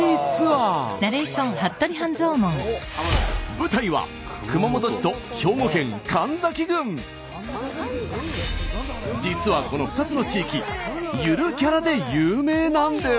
舞台は実はこの２つの地域ゆるキャラで有名なんです。